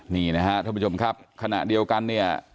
นี่นะฮะทุกผู้ชมครับขณะเดียวกันเนี้ย